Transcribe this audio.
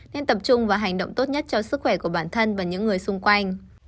nên tập trung vào hành động tốt nhất cho sức khỏe của bản thân và những người xung quanh